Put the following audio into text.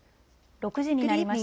６時になりました。